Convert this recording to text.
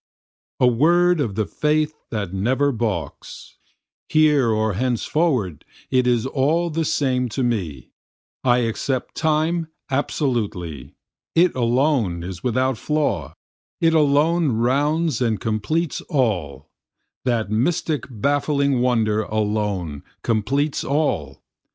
A word of the faith that never balks, Here or henceforward it is all the same to me, I accept Time absolutely. It alone is without flaw, it alone rounds and completes all, That mystic baffling wonder alone completes all.